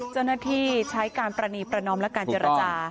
เจ้าหน้าที่ใช้การประนีประนอมและการเจรจา